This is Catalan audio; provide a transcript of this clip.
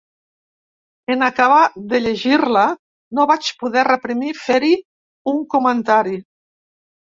En acabar de llegir-la no vaig poder reprimir fer-hi un comentari.